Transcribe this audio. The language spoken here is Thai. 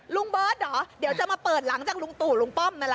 ลุงเบิร์ตเหรอเดี๋ยวจะมาเปิดหลังจากลุงตูลุงป้อมนั่นแหละ